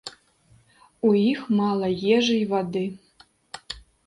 У іх мала ежы і вады.